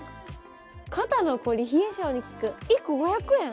肩の凝り冷え性にきく１個５００円！